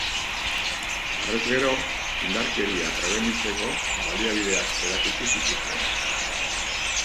Harrez gero, indarkeria prebenitzeko baliabideak erakutsi zituzten.